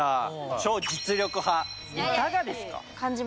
超実力派いかがですか？